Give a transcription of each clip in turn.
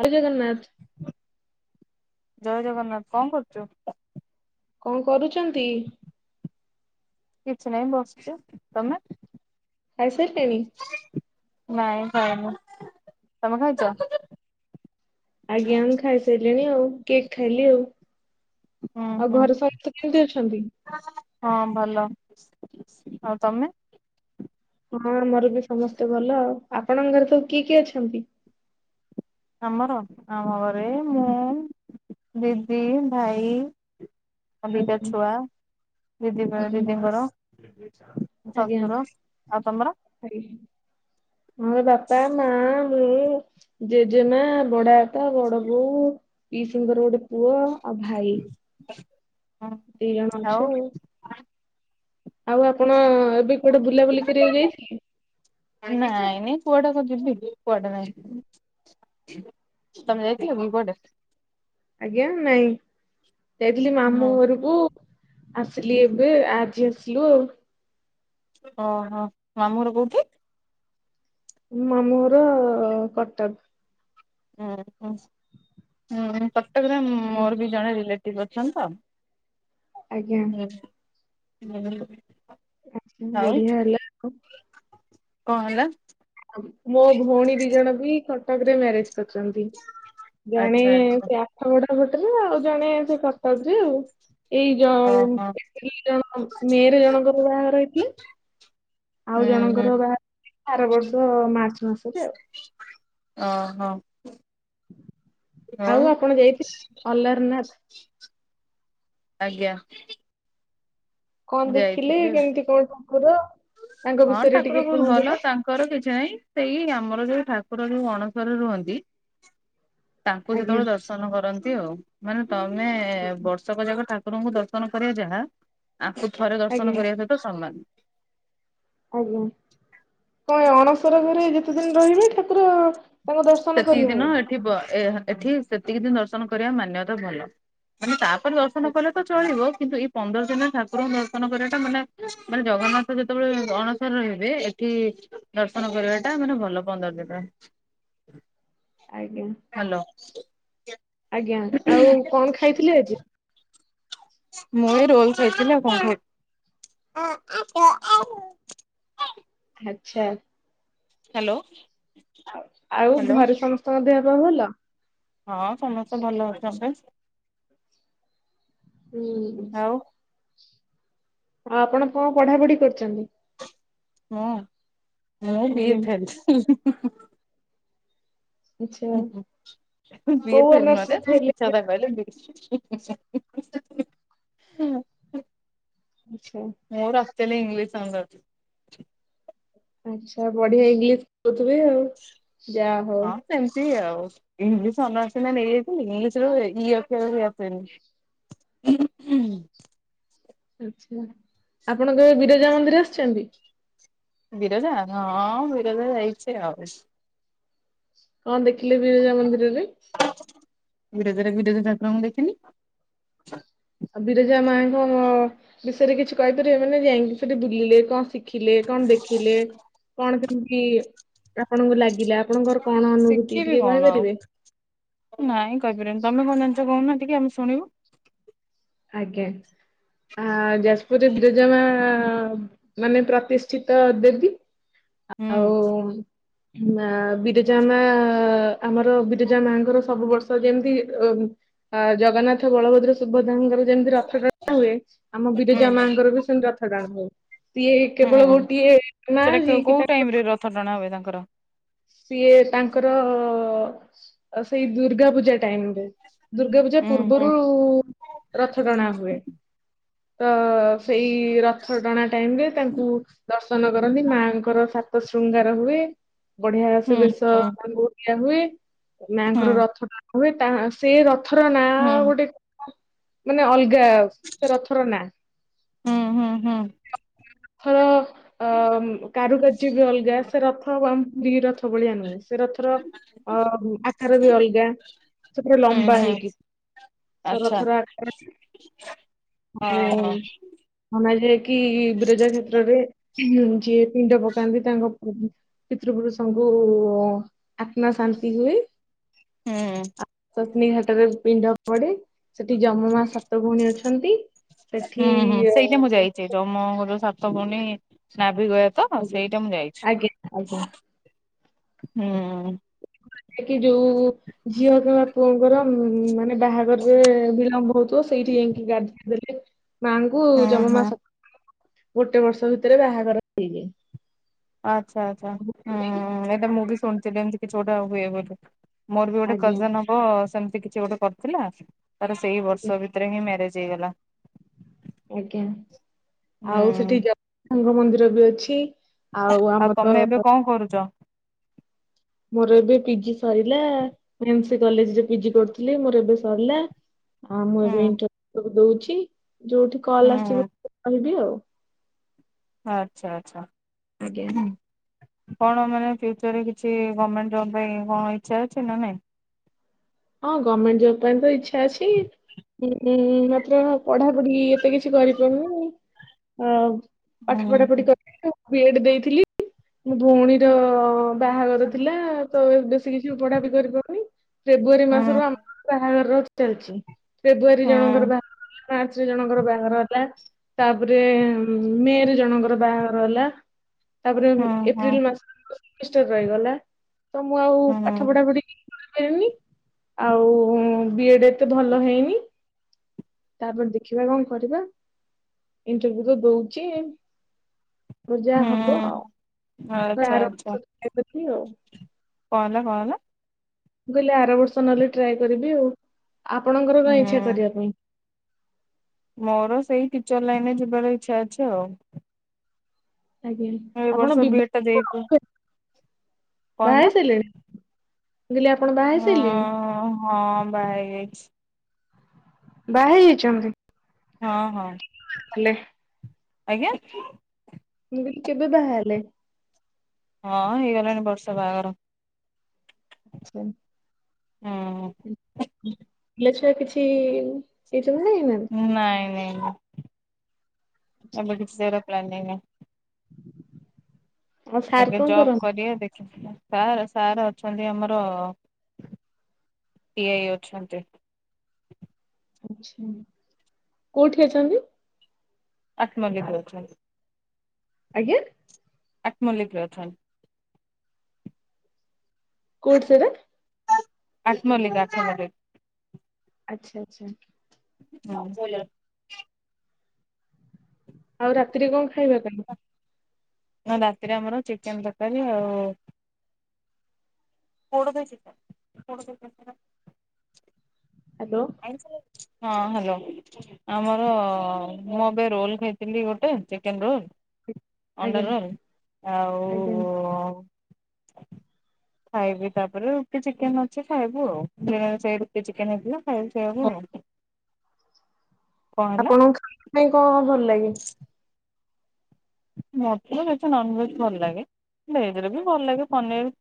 ହରି ଜଗନ୍ନାଥ। ଜୟ ଜଗନ୍ନାଥ, କଣ କରୁଚୁ? କଣ୍ କରୁଚନ୍ତି? କିଛି ନାହିଁ ବସିଚୁ, ତମେ? ଖାଇସାରିଲେଣି? ନାଇଁ ଖାଇନି ‌, ତମେ ଖାଇଚ? ଆଜ୍ଞା ମୁଁ ଖାଇସାରିଲିଣି ଆଉ କେକ୍ ଖାଇଲି ଆଉ ହୁଁ ଆଉ ହୁଁ ଘରେ ସମସ୍ତେ କେମିତି ଅଛନ୍ତି? ହଁ ଭଲ। ଆଉ ତମେ? ହଁ ଆମର ବି ସମସ୍ତେ ଭଲ ଆଉ। ଆପଣଙ୍କ ଘରେ ସବୁ କିଏ କିଏ ଅଛନ୍ତି? ଆମର ଆମ ଘରେ ମୁଁ, ଦିଦି, ଭାଇ ମୋର ଦିଟା ଆଜ୍ଞା ଛୁଆ ଦିଦି ଆଜ୍ଞା ଦିଦିଙ୍କର ଆଜ୍ଞା ଶଶୁର ଆଉ ତମର? ମୋର ବାପା ମା ମୁଁ ଜେଜେମା ବଡପା ବଡବୋଉ ପିଇସୀଙ୍କର ଗୋଟେ ପୁଅ। ଆଉ ଭାଇ ଦି ଜଣ ଅଛୁ ଆଉ ଆଉ ଆପଣ ଏବେ କୁଆଡେ ବୁଲାବୁଲି କରିବାକୁ ଯାଇଥିଲେ? ନାଇଁ ନାଇଁ କୁଆଡେ କୁ ଯିବି କୁଆଡେ ନାଇଁ? ତମେ ଯାଇଥିଲ କି କୁଆଡେ? ଆଜ୍ଞା ନାଇଁ ଯାଇଥିଲି ମାମୁଁ ହୁଁ ଘରୁକୁ ଆସିଲି ଏବେ ଆଜି ଆସିଲୁ ଆଉ ଓହୋ ମାମୁଁ ଘର କୋଉଠି? ମାମୁଁ ଘର କଟକ। ହଁ ହଁ ହୁଁ କଟକରେ ମୋର ବି ଜଣେ ରିଲେଟିଭ ଅଛନ୍ତି ତ ଆଜ୍ଞା ଆଛା ହଉ ବଢିଆ ହେଲା ଆଉ। କଣ ହେଲା? ମୋ ଭଉଣୀ ଦି ଜଣ ବି କଟକରେ ମ୍ୟାରେଜ କରିଛନ୍ତି ଜଣେ ଆଚ୍ଛା ଆଚ୍ଛା ଟ୍ରା ଆଠଗଡ଼ ପଟରେ ଆଉ ଜଣେ ସେ କଟକରେ ଆଉ ଏଇ ଜ ଓହୋ ଏପ୍ରିଲ ଜଣଙ୍କର ମେ ରେ ଜଣଙ୍କର ବାହାଘର ହେଇଥିଲା। ହୁଁ ଆଉ ହୁଁ ଜଣଙ୍କର ବାହା ଆର ବର୍ଷ ମାର୍ଚ୍ଚ ମାସରେ ଆଉ ଅହ। ଆଉ ଆପଣ ଯାଇଥିଲେ ଅଲାରନାଥ? ଆଜ୍ଞା। କଣ ଦେଖିଲେ ଯାଇଥିଲି ଆଉ କେମିତି କଣ ଠାକୁର ତାଙ୍କ ହଁ ବିଷୟରେ ଟିକେ ଠାକୁରଙ୍କୁ କୁହନ୍ତୁ ଭଲ ତ? ଅଛ? ରଥଯାତ୍ରା ଯାଏଁ ସେଇ ଆମର ଯୋଉ ଠାକୁର ଯୋଉ ଅଣସରରେ ରୁହନ୍ତି। ତାଙ୍କୁ ଆଜ୍ଞା ସେତେବେଳେ ଦର୍ଶନ କରନ୍ତି ଆଉ ମାନେ ତମେ ବର୍ଷକ ଯାକ ତାକୁ ଠାକୁରଙ୍କୁ ଦର୍ଶନ କରିବା ଯାହା ଆଙ୍କୁ ଥରେ ଆଜ୍ଞା ଦର୍ଶନ କରିବା ସହିତ ସମାନ। ଆଜ୍ଞା କଣ ଅଣସର ଘରେ ଯେତେ ଦିନ ରହିବେ ଠାକୁର ତାଙ୍କ ଦର୍ଶନ ସେତିକି କରିହବ? ଦିନ ଏଠି ଏଠି ସେତିକି ଦିନ ଦର୍ଶନ କରିବା ମାନ୍ୟତା ଭଲ ମାନେ ତା ଦର୍ଶନ କଲେ ତ ଚଳିବ କିନ୍ତୁ ପନ୍ଦର ଦିନ ଠାକୁରଙ୍କୁ ଦର୍ଶନ କରିବାଟା ମାନେ ମାନେ ଜଗନ୍ନାଥ ଯେତେବେଳେ ଅଣସର ରହିବେ ଏଠି ଦର୍ଶନ ଆଜ୍ଞା କରିବାଟା ମାନେ ଭଲ ପନ୍ଦର ଦିନ ଆଜ୍ଞା। ହ୍ୟାଲୋ। ଆଜ୍ଞା ଆଉ କଣ ଖାଇଥିଲି ଆଜି? ମୁଁ ଏଇ ରୋଲ ଖାଇଥିଲି। ଆଛା। ହ୍ୟାଲୋ। ଆଉ ହ୍ୟାଲୋ ଘରେ ସମସ୍ତଙ୍କ ଦେହ ପା ଭଲ। ହଁ ସମସ୍ତେ ଭଲ ଅଛନ୍ତି। ହୁଁ। ଆଉ ଆଉ ଆପଣ କଣ ପଢାପଢି କରୁଛନ୍ତି? ହଁ ମୁଁ ବି ଆଜ୍ଞା ଥିଲ [unintelligible] ଆଚ୍ଛା। ହଁ ହୁଁ ବି କୋଉ ଫେ ଅନର୍ସ ରେ ଥିଲେ? [unintelligible] [unintelligible] ଆଚ୍ଛା। ମୋର ରାସ୍ତଲି ଇଂଲିଶ ସାଙ୍ଗ ଅଛି। ଆଚ୍ଛା ବଢିଆ ଇଂଲିଶ କହୁଥିବେ ଆଉ ଯାହା ହଉ। ସେମତି ଆଉ ଇଂଲିଶ ଅନର୍ସ ନେଇଯାଇଥିଲେ ଇଂଲିଶ ଇ ଅକ୍ଷର ବି ଆସେନି। [unintelligible] ଆଚ୍ଛା ଆପଣ କେବେ ବିରଜା ମନ୍ଦିର ଆସିଛନ୍ତି? ବିରଜା ହଁ ବିରଜା ଯାଇଛି ଆଉ। କଣ ଦେଖିଲେ ବିରଜା ମନ୍ଦିରରେ? ବିରଜାରେ ବିରଜା ଠାକୁରଙ୍କୁ ଦେଖିଲି। ଆଉ ବିରଜା ମାଙ୍କ ବିଷୟରେ କିଛି କହିପାରିବେ ମାନେ ଯାଇକି ସେଠି ବୁଲିଲେ କଣ ଶି ଖିଲେ କଣ ଦେଖିଲେ କଣ କେମିତି? ଆପଣଙ୍କୁ ଲାଗିଲା ଆପଣଙ୍କର କଣ ଅନୁଭୂତି ଶିଖିବି ଟିକେ କଣ ଆଉ କହିପାରିବେ? ନାଇଁ କହିପାରିବନି ତମେ କଣ ଜାଣିଛ କହୁନା ଟିକ ଆମେ ଶଣିବୁ। ଆଜ୍ଞା ଆ ଯାଜପୁରରେ ବିରଜମା ମାନେ ପ୍ରତିଷ୍ଠିତ ଦେବି ହୁଁ ଆଉ ମା ବିରଜା ମା ଆମର ବିରଜା ମାଙ୍କର ସବୁ ବର୍ଷ ଯେମିତି ଅ ଆ ଜଗନ୍ନାଥ ବଳଭଦ୍ର ସୁଭଦ୍ରାଙ୍କର ଯେମିତି ରଥ ଟଣାା ହୁଏ ଆମ ହୁଁ ବିରଜା ମାଆଙ୍କର ବି ସେମିତି ରଥ ଟାଣ ହୁଏ ସିଏ କେବଳ ହୁଁ ଗୋଟିଏ ମା ସେଟା ଯିଏ କି କୋ-କୋଉ ତାଙ୍କର ଟାଇମରେ ରଥ ଟଣା ହୁଏ ତାଙ୍କର? ସିଏ ତାଙ୍କର ସେଇ ଦୁର୍ଗା ପୂଜା ଟାଇମ ରେ। ଦୁର୍ଗା ପୂଜା ହୁଁ ହୁଁ ପୂର୍ବରୁ ରଥ ଟଣା ହୁଏ ତ ସେଇ ରଥ ଟଣା ଟାଇମରେ ତାଙ୍କୁ ଦ ଦର୍ନ କରନ୍ତି ମାଆଙ୍କର ସାତ ଶୃଙ୍ଗାର ହୁଏ। ବଢିଆ ସେ ହୁଁ ବେଶ ହୁଁ ତାଙ୍କୁ ଦିଆ ହୁଏ ହୁଁ ମାଆଙ୍କର ରଥ ଟା ହ ତା ସେ ରଥର ନା ହୁଁ। ଗୋଟେ [unintelligible] ମାନେ ଅଲଗା ସେ ରଥର ନା। ହୁଁ ହୁଁ ହୁଁ। ଥର ଅ କାରୁକାର୍ଯ୍ୟ ବି ଅଲଗା ସେ ରଥ ଆମ ପୁରୀ ରଥ ଭଳିଆ ନୁହଁ। ସେ ରଥର ଅ ଆକାର ବି ଅଲଗା ସେ ପୁରା ହୁଁ ଲମ୍ବା ହୁଁ ହେଇକି। ସ ରଥର ଆକୃତି ଓହୋ। ମନାଯାଏ କି ବିରଜା କ୍ଷେତ୍ରରେ ଯିଏ ପିଣ୍ଡ ପକାନ୍ତି ତାଙ୍କ ପିତୃପୁରୁଷଙ୍କୁ ଆତ୍ମା ଶାନ୍ତି ହୁଏ ହୁଁ। ଆ ପତ୍ନୀ ଘାଟରେ ପିଣ୍ଡ ପଡେ। ସେଠି ଯମ ମା ସାତ ଭଉଣୀ ଅଛନ୍ତି। ହୁଁ ସେଠି ହୁଁ ଅ, ସେଇଟା ମୁଁ ଯାଇଛି ଜମ ଘରୁ ସାତ ଭଉଣୀ ନାଭି ଗୟା ତ ସେଇଟା ମୁଁ ଯାଇଛି ଆଜ୍ଞା ଆଜ୍ଞା ଆଜ୍ଞା ହୁଁ। କି ଯୋଉ ଝିଅ କିମ୍ବା ପୁଅଙ୍କର ମାନେ ବାହାଘରରେ ବିଳମ୍ବ ହଉଥିବ ସେଇଠି ଯାଇଁକି ଗାଧେଇ ଦେଲେ ମାଙ୍କୁ ହୁଁ ଜନ୍ମ ହୁଁ। ମାସ ଗୋଟେ ବର୍ଷ ଭିତେରେ ବାହାଘର ହେଇଯାଏ। ଆଚ୍ଛା ଆଚ୍ଛା ଉଁ ଏଇଟା ମୁଁ ବି ଶୁଣିଥିଲି ଏମତି କିଛି ଗୋଟେ ହୁଏ ହୁଏ [inaudible] ମୋର ବି ଗୋଟେ ଆଜ୍ଞା କଜନ୍ ହବ ସେମତି କିଛି ଗୋଟେ କରିଥିଲା ତାର ସେଇ ଆଜ୍ଞା ବର୍ଷ ଭି ତେରେ ହିଁ ମ୍ୟାରେଜ୍ ହେଇଗଲା। ଆଜ୍ଞା ଆଉ ସେଠି ହୁଁ ଜ [inaudible] ମନ୍ଦିର ବି ଅଛି। ଆଉ ଆମର କଁ କରୁଚ? ମୋର ଏବେ ପିଜି ସରିଲା ମୋର ଏନ୍ ସି କଲେଜରେ ପିଜି କରୁଥିଲି ମୋର ଏବେ ସରିଲା। ଆଉ ମୁଁ ହୁଁ ଏବେ ଇଣ୍ଟର୍ [inaudible] ଦଉଛି ଯୋଉଠି କଲ୍ ହୁଁ ଆସିବ କହିବି ଆଉ। ଆଚ୍ଛା ଆଚ୍ଛା। ଆଜ୍ଞା। କଣ ମାନେ ଫ୍ୟୁଚରରେ କିଛି ଗମେଣ୍ଟ୍ ଜବ୍ ପାଇଁ କଣ ଇଚ୍ଛା ଅଛି ନା ନାଇଁ। ହଁ ଗମେଣ୍ଟ୍ ଜବ୍ ପାଇଁ ତ ଇଚ୍ଛା ଅଛି ଉଁ ମାତ୍ର ପଢାପଢି ଏ ତେ କିଛି କରିପାରୁନି ଆଉ ପାଠ ହୁଁ ହୁଁ। ପଢାପଢି କରିି [inaudible] ବି ଏଡ୍ ଦେଇଥିଲି। ମୋ ଭଉଣୀର ବାହାଘର ଥିଲା ତ ବେଶୀ କିଛି ପଢା ବି କରିପାରୁନି। ଫେବୃଆରୀ ହୁଁ ମାସରୁ ଆମ [inaudible] ବାହାଘର ଚାଲିଛି ଫେବୃଆରୀ ଜଣଙ୍କର ହୁଁ ବାହା [inaudible] ମାର୍ଚ୍ଚରେ ଜଣଙ୍କର ବାହାଘର ହେଲା। ତାପରେ ମେରେ ଜଣଙ୍କର ବାହାଘର ହେଲା। ତାପରେ ବି ହୁଁ ଏପ୍ରିଲ ମାସ [inaudible] ସେମିଷ୍ଟାର ରହିଗଲା ତ ମୁଁ ଆଉ ହୁଁ ପାଠ ପଢାପଢି [inaudible] [inaudible] ଆଉ ଉଁ ବି ଏଡୂ ଏତେ ଭଲ ହେଇନି। ତାପରେ ଦେଖିବା କଁ କରିବା। ଇଣ୍ଟରଭୁ ତ ଦଉଛି ପର୍ ଯା ହୁଁ ହବ। ହୁଁ। ଫୁଣି ଆଚ୍ଛା ଆର ବର୍ଷ ଟ୍ରାଏ କରିବି ଆଉ। କଁ ହେଲା କଁ ହେଲା। ମୁଁ କହିଲି ଆର ବର୍ଷ ନହେଲେ ଟ୍ରାଏ କରିବି ଆଉ ଆପଣଙ୍କର କଁ ଇଚ୍ଛା ହୁଁ କରିବା ପାଇଁ। ମୋର ସେଇ ଟିଚର୍ ଲାଇନରେ ଯିବାର ଇଚ୍ଛା ଅଛି ଆଉ। ଆଜ୍ଞା ଏ ଆପଣ ବର୍ଷ ବିଏଡ୍ ଟା ବିବା ଦେଇଛୁ [inaudible] ବାହା କଣ ହେଇ ସାରିଲେଣି? ମୁଁ କହିଲି ଆପଣ ବାହା ହେଇ ହେଲା ସାରିଲେଣି। ହଁ ହଁ ବାହା ହେଇ ଯାଇଛି। ବାହା ହେଇ ଯାଇଛନ୍ତି। ହଁ ହଁ। ହେଲେ ଆଜ୍ଞା। ମୁଁ କହିଲି କେବେ ବାହା ହେଲେ? ହଁ ହେଇଗଲାଣି ବର୍ଷେ ବାହାଘର। ଆଚ୍ଛା। ଉଁ [inaudible] ପିଲା ଛୁଆ କିଛି ହେଇଛନ୍ତି ନା ହେଇନାହାନ୍ତି? ନାଇଁ ନାଇଁ ନାଇଁ ଏବେ କିଛି ସେଇରା ପ୍ଲାନିଂ ନାଇଁ। ଆଉ ସାର୍ ଆଗେ କଣ ଜବ୍ କରନ୍ତି କରିଆ ଦେଖିଆ [inaudible] ତାପରେ ସାରେ ଅଛନ୍ତି ଆମର ଟି ଆଇ ଅଛନ୍ତି। ଆଚ୍ଛା କୋଉଠି ଅଛନ୍ତି? ଆଠମଲ୍ଲିକପୁରରେ। ଆଜ୍ଞା। ଆଠମଲ୍ଲିକ୍ ରେ ଅଛନ୍। [unintelligible] ଆଠମଲ୍ଲିକ୍ ଆଠମଲ୍ଲିକ୍। ଆଚ୍ଛା ଆଚ୍ଛା। ହୁଁ। ଆଉ ରାତିରେ କଣ ଖାଇବା କଲୁ? ରାତିରେ ଆମର ଚିକେନ୍ ତରକାରୀ ଆଉ [unintelligible] ହାଲୋ। ହଁ ହାଲୋ। ଆମର ମୁଁ ଏବେ ରୋଲ୍ ଖାଇଥିଲି ଗୋଟେ ଚିକେନ୍ ରୋଲ୍। ଅଣ୍ଡା ଆଜ୍ଞା ରୋଲ୍। ଆଜ୍ଞା ଆଉ ଖାଇବି ତାପରେ ରୁଟି ଚିକେନ୍ ଅଛି ଖାଇବୁ ଆଉ। ସେ ରୁଟି ଚିକେନ୍ ହେଇଥିଲା। [unintelligible] କଣ ହେଲା ଆପଣଙ୍କ ଖାଇବା ପାଇଁ କଣ ଭଲ ଲାଗେ? ମତେ ତ ବେଶୀ ନନ୍ଭେଜ୍ ଭଲ ଲାଗେ। ଭେଜ ରେ ବି ଭଲ ଲାଗେ ପନିର୍।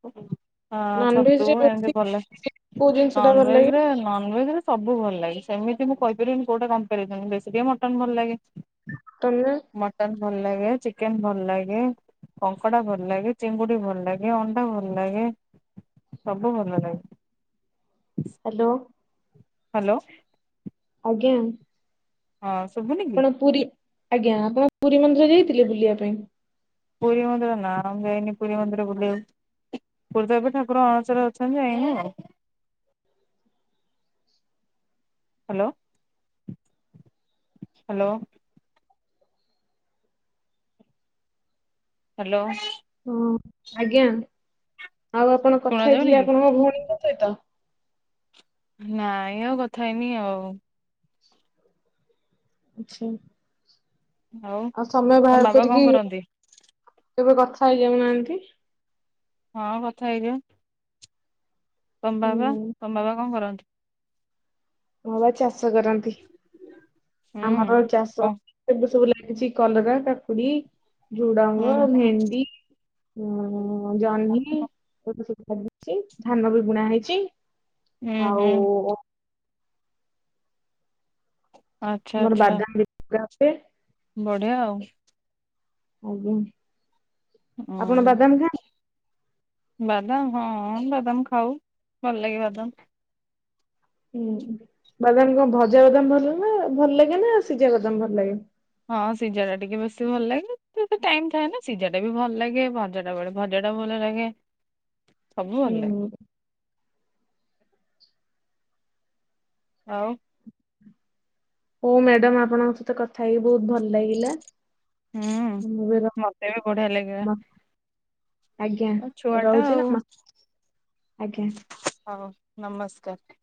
ହଁ ଛତୁ ନନଭେଜରେ ଏମିତି ବେଶୀ ଭଲ ଲାଗେ। କୋଉ ଜିନିଷ ଟା ଭଲ ନନ୍ଭେଜ୍ ଲାଗେ ରେ ନନ୍ଭେଜ୍ ରେ ସବୁ ଭଲ ଲାଗେ। ସେମିତି ମୁଁ କହିପାରିବିନି କୋଉଟା କମ୍ପାରିଜନ୍ ବେଶୀ ଟିକେ ମଟନ୍ ଭଲ ଲାଗେ। ତମେ? ମଟନ୍ ଭଲ ଲାଗେ। ଚିକେନ୍ ଭଲ୍ ଲାଗେ। କଙ୍କଡା ଭଲ୍ ଲାଗେ। ଚିଙ୍ଗୁଡି ଭଲ୍ ଲାଗେ। ଅଣ୍ଡା ଭଲ୍ ଲାଗେ। ସବୁ ଭଲ ଲାଗେ। ହାଲୋ। ହାଲୋ। ଆଜ୍ଞା। ହଁ ଶୁଭୁନି? କି? ଆପଣ ପୁରୀ, ଆଜ୍ଞା ଆପଣ ପୁରୀ ମନ୍ଦିର ଯାଇଥିଲେ ବୁଲିବା ପାଇଁ? ପୁରୀ ମନ୍ଦିର ନାଁ ମୁଁ ଯାଇନି ପୁରୀ ମନ୍ଦିର ବୁଲିବାକୁ। ପୁରୀରେ ତ ଏବେ ଠାକୁର ଅଣସରରେ ଅଛନ୍ତି ଯାଇନି ଆଉ। Hello hello. ହାଲୋ। ହଁ। ଆଜ୍ଞା ଆଉ ଆପଣ ଶୁଣା କଥା ଯାଉନି ହେଇଥିଲେ କି? ଆପଣଙ୍କ ଭଉଣୀଙ୍କ ସହିତ? ନାଇଁ ଆଉ କଥା ହେଇନି ଆଉ। ଆଚ୍ଛା। ଆଉ ତମ ବାବା କଣ କରନ୍ତି? ଏବେ କଥା ହେଇଯାଉନାହାନ୍ତି। ହଁ କଥା ହେଇଯିବା। ତମ ବାବା ହୁଁ ତମବାବା କଣ କରନ୍ତି? ମୋ ବାବା ଚାଷ କରନ୍ତି। ଆମର ହୁଁ। ଚାଷ ଓ ଏବେ ସବୁ ଲାଗିଚି କଲରା, କାକୁୁଡି, ହୁଁ ଝୁଡଙ୍ଗ, ଭେଣ୍ଡି। ହୁଁ। ହୁଁ ଜହ୍ନି ଏରା ତ ସବୁ ଲାଗିଚି। ଧାନ ବି ବୁଣା ହେଇଚି। ହୁଁ ଆଉ ହୁଁ ଆଚ୍ଛା ଆମର ଆଚ୍ଛା ବାଦାମ। [unintelligible] ବଢିଆ ଆଉ। ଆଜ୍ଞା, ଆପଣ ଆଉ। ବାଦାମ [unintelligible] ବାଦାମ ହଁ ବାଦାମ ଖାଉ ଭଲ ଲାଗେ ବାଦାମ। ହୁଁ ହୁଁ, ବାଦାମ କଣ ଭଜା ବାଦାମ ଭଲ ଭଲ ଲାଗେ ନା ସିଝା ବାଦାମ ଭଲ ଲାଗେ? ହଁ ସିଝାଟା ଟିକେ ବେଶୀ ଭଲ ଲାଗେ, ଟାଇମ୍ ଥାଏ ନା ସିଝାଟା ବି ଭଲ ଲାଗେ ଭଜା ଭଜା ବେଳେ ଭଜାଟା ଭଲ ଲାଗେ, ସବୁ ଭଲ ଲାଗେ। ହୁଁ ଆଉ? ହଉ ମ୍ୟାଡାମ୍ ଆପଣଙ୍କ ସହିତ କଥା ହେଇକି ବହୁତ ଭଲ ଲାଗିଲା। ହୁଁଉଁ ମୁଁ ବି ର ମତେ ବି ବଢିଆ ଲାଗିଲା। ଆଜ୍ଞା ତମେ ଛୁଆଟା ରହୁଛି ଆଉ, ନମସ୍ ଆଜ୍ଞା। ହଉ ନମସ୍କାର।